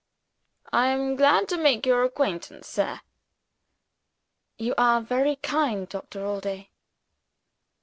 "I am glad to make your acquaintance, sir." "You are very kind, Doctor Allday."